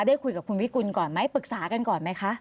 ได้คุยกับคุณวิกุลก่อนไหมปรึกษากันก่อนไหมคะ